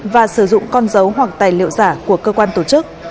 và sử dụng con dấu hoặc tài liệu giả của cơ quan tổ chức